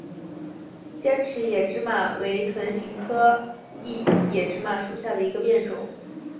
尖齿异野芝麻为唇形科异野芝麻属下的一个变种。